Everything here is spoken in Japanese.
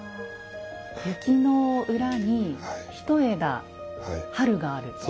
雪の裏にひと枝春がある。